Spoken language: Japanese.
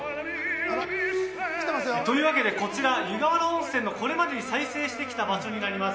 というわけでこちら湯河原温泉のこれまでに再生してきた場所になります。